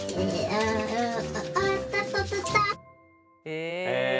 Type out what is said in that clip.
へえ。